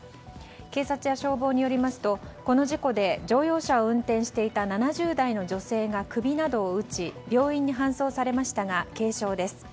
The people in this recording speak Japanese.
警察や消防によりますとこの事故で乗用車を運転していた７０代の女性が首などを打ち病院に搬送されましたが軽傷です。